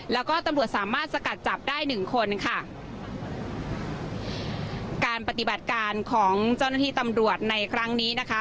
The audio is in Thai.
แล้วก็ตำรวจสามารถสกัดจับได้หนึ่งคนค่ะการปฏิบัติการของเจ้าหน้าที่ตำรวจในครั้งนี้นะคะ